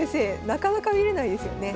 なかなか見れないですよね。